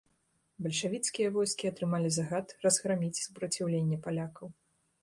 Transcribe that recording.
Бальшавіцкія войскі атрымалі загад разграміць супраціўленне палякаў.